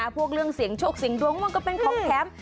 พวกเรื่องเสียงโชคเสียงดวงมันก็เป็นของแถม